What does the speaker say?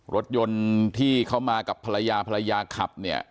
รถยนต์ที่เขามากับภรรยาภรรยาขับเนี่ย